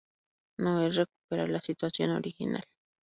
No es recuperar la situación original.